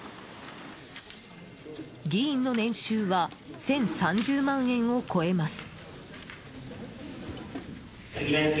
議員の年収は１０３０万円を超えます。